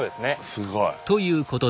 すごい。